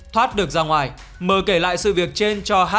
thoát được ra ngoài m kể lại sự việc trên cho h